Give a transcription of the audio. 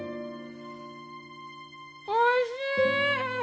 おいしい！